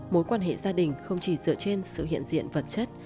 mối quan hệ gia đình không chỉ dựa trên sự hiện diện vật chất